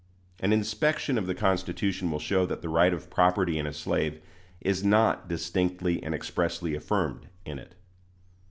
An inspection of the Constitution will show that the right of property in a slave is not "distinctly and expressly affirmed" in it.